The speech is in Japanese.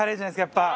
やっぱ。